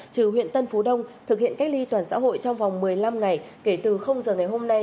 trừ huyện tân phú đông thực hiện cách ly toàn xã hội trong vòng một mươi năm ngày kể từ giờ ngày hôm nay